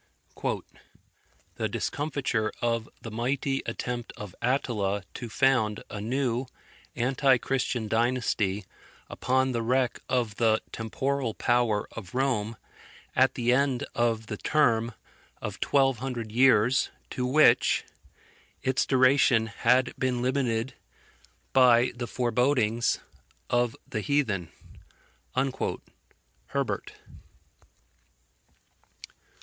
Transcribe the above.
"The discomfiture of the mighty attempt of Attila to found a new anti Christian dynasty upon the wreck of the temporal power of Rome, at the end of the term of twelve hundred years, to which its duration had been limited by the forebodings of the heathen." HERBERT.